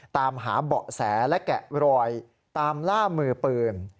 ตามหาเบาะแสและแกะรอยตามล่ามือปืน